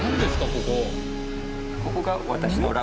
ここ。